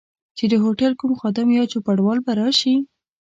چي د هوټل کوم خادم یا چوپړوال به راشي.